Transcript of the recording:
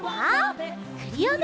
クリオネ！